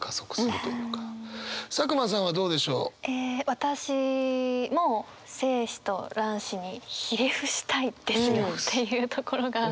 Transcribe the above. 私も「精子と卵子にひれ伏したいですよ」っていうところが。